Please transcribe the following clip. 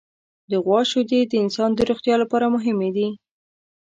د غوا شیدې د انسان د روغتیا لپاره مهمې دي.